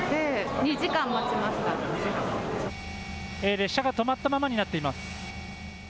列車が止まったままになっています。